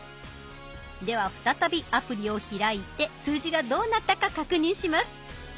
では再びアプリを開いて数字がどうなったか確認します。